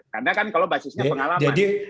karena kan kalau basisnya pengalaman